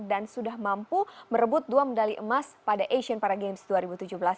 dan sudah mampu merebut dua medali emas pada asean para games dua ribu delapan belas